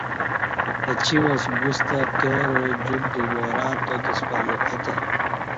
اہ چی واس بوستہ پتیار جوک دوبارہ تاتس پمو اہ تہ